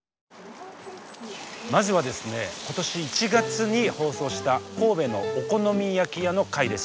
まずはですね今年１月に放送した神戸のお好み焼き屋の回です。